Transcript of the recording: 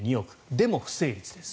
でも不成立です。